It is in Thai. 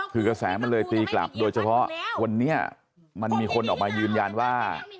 คือกระแสมันเลยตีกลับโดยเฉพาะวันนี้มันมีคนออกมายืนยันว่า